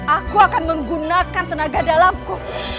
aku akan menggunakan tenaga dalamku